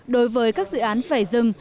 đối với các dự án phải dừng